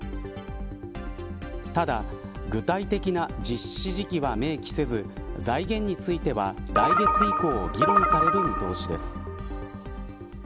ただ具体的な実施時期は明記せず財源については来月以降議論される見通しです。